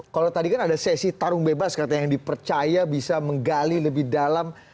kalau tadi kan ada sesi tarung bebas katanya yang dipercaya bisa menggali lebih dalam